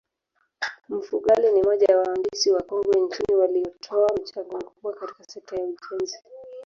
Mfugale ni moja ya waandisi wakongwe nchini waliotoa mchango mkubwa katika sekta ya ujenzi